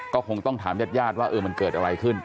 ก็คงต้องถามญาติญาติว่ามันเกิดอะไรขึ้น